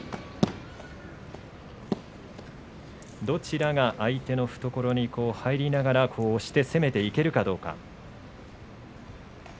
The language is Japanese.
どちらが相手の懐に入りながら押して攻めていけるかどうか。